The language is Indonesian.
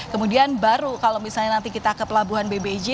kemudian baru kalau misalnya nanti kita ke pelabuhan bbj